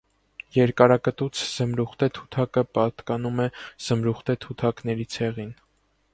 Երկարակտուց զմրուխտե թութակը պատկանում է զմրուխտե թութակների ցեղին։